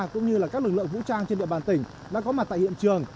cũng như các lực lượng vũ trang trên địa bàn tỉnh đã có mặt tại hiện trường